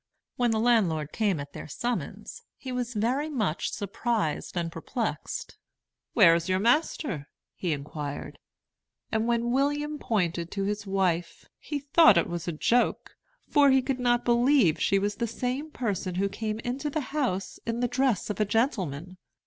When the landlord came at their summons, he was very much surprised and perplexed. "Where is your master?" inquired he; and when William pointed to his wife, he thought it was a joke; for he could not believe she was the same person who came into the house in the dress of a gentleman.